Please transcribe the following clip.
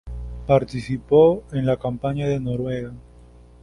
Participó en la campaña de Noruega.